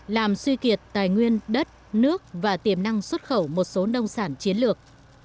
làm suy kiệt tài nguyên đất nước và tiềm năng xuất khẩu một số nông sản chiến lược